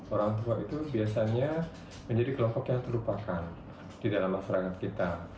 orang tua itu biasanya menjadi kelompok yang terlupakan di dalam masyarakat kita